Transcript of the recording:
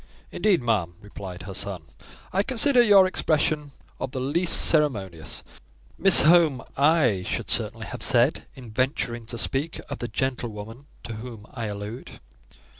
"Indeed, ma'am," replied her son, "I consider your expression of the least ceremonious: Miss Home I should certainly have said, in venturing to speak of the gentlewoman to whom I allude."